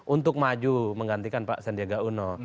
untuk maju menggantikan pak sandiaga uno